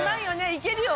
いけるよ！